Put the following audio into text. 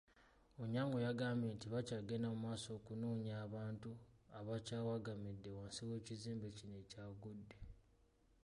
Onyango yagambye nti bakyagenda mu maaso okunoonya abantu abakyawagamidde wansi w'ekizimbe kino ekyagudde.